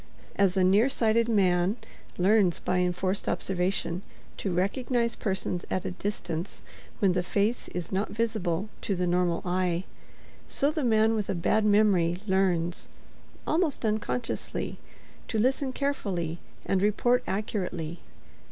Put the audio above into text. As a nearsighted man learns by enforced observation to recognize persons at a distance when the face is not visible to the normal eye, so the man with a bad memory learns, almost unconsciously, to listen carefully and report accurately.